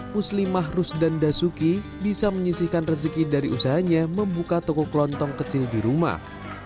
muslimah rusdan dasuki bisa menyisihkan rezeki dari usahanya membuka toko kelontong kecil di rumah